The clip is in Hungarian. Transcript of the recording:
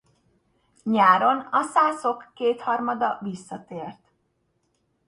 Nyáron a szászok kétharmada visszatért.